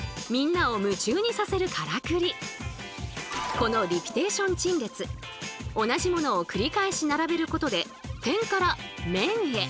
このリピテーション陳列同じものを繰り返し並べることで点から面へ！